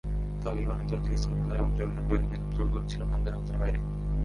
তবে বিমান, আন্তর্জাতিক স্থলবন্দর এবং জরুরি প্রয়োজনীয় দপ্তরগুলো ছিল বন্ধের আওতার বাইরে।